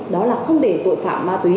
đó là không để tội phạm ma túy